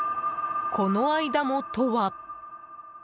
「この間も」とは。